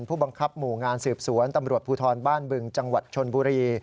ผู้บังคับหมู่งานสืบสวนตำรวจภูทรบ้านบึงจังหวัดชนบุรี